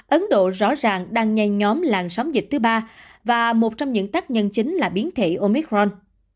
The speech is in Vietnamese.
ấn độ rõ ràng đang nhen nhóm làn sóng dịch thứ ba và một trong những tác nhân chính là biến thể omicron